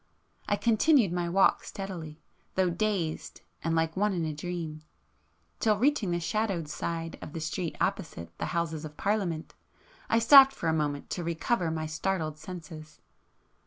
I continued my walk steadily, though dazed and like one in a dream,—till reaching the shadowed side of the street opposite the Houses of Parliament, I stopped for a moment to recover my startled senses.